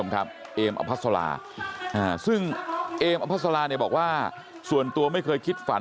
เพิ่มเอ็มอภัทราซึ่งเอ็มอภัทราบอกว่าส่วนตัวไม่เคยคิดฝัน